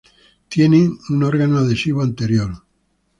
Tienen un órgano adhesivo anterior.